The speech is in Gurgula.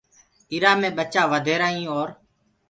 ايٚرآ مي ٻچآ وڌهيرآ هين اور